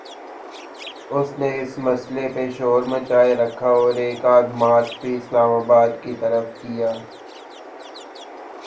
اس نے اس مسئلے پہ شور مچائے رکھا اور ایک آدھ مارچ بھی اسلام آباد کی طرف کیا۔